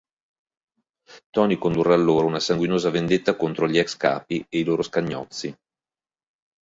Tony condurrà allora una sanguinosa vendetta contro gli ex capi e i loro scagnozzi.